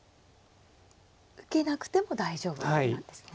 受けなくても大丈夫なんですね。